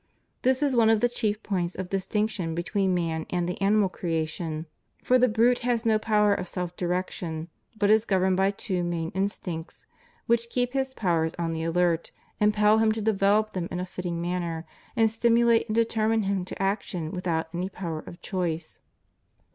This is one of the chief points of distinction between man and the animal creation, for the brute has no CONDITION OF THE WORKING CLASSES. 211 power of self direction, but is governed by two main in stincts, which keep his powers on the alert, impel him to develop them in a fitting manner, and stimulate and deter mine him to action without any power of choice.